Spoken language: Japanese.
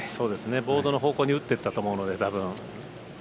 ボードの方向に打っていったと思うので。